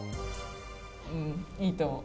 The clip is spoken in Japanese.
うんいいと思う。